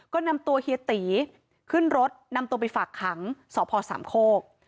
ก็นำตัวเฮียตีขึ้นรถนำตัวไปฝากขังสพสามโคก